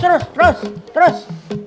terus terus terus